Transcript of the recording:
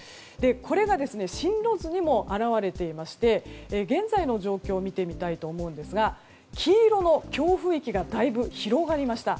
これが進路図にも表れていまして現在の状況を見てみたいと思うんですが黄色の強風域がだいぶ広がりました。